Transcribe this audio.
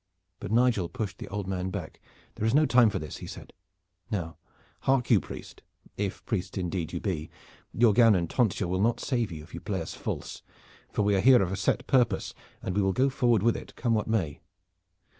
But Nigel pushed the old man back. "There is no time for this," he said. "Now hark you, priest if priest indeed you be your gown and tonsure will not save you if you play us false, for we are here of a set purpose and we will go forward with it, come what may.